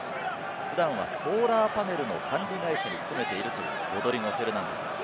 普段はソーラーパネルの管理会社に勤めているというロドリゴ・フェルナンデス。